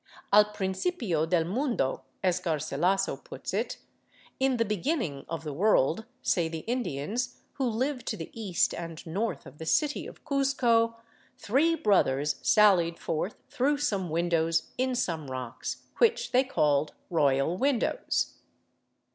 " Al principio del mundo," as Garsilaso puts it, —" In the be ginning of the world, say the Indians who live to the east and north of the city of Cuzco, three brothers sallied forth through some win dows in some rocks, which they called royal windows."